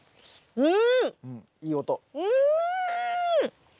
うん。